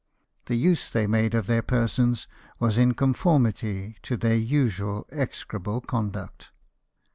The use they made of their persons was in conformity to their usual exe crable conduct.